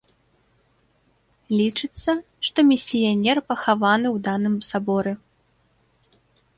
Лічыцца, што місіянер пахаваны ў даным саборы.